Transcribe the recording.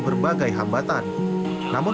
berbagai hambatan namun